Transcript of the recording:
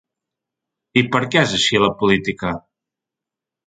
I per què és així la política?